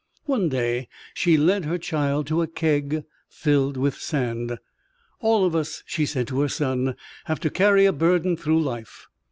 One day she led her child to a keg filled with sand. "All of us," she said to her son, "have to carry a burden through life.